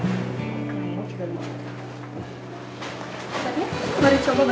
ini sama apa ya